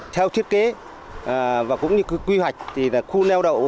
theo thiết kế và cũng như quy hoạch thì là khu neo đậu